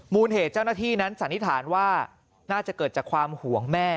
เหตุเจ้าหน้าที่นั้นสันนิษฐานว่าน่าจะเกิดจากความห่วงแม่